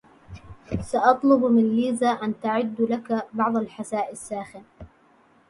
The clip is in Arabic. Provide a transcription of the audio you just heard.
سأطلب من ليزا أن تعد لك بعض الحساء الساخن.